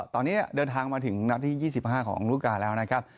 ตอนนี้เดินทางมาถึงนัดที่๒๕ของลูกกาแล้วนะครับ